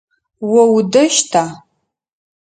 О удэщта?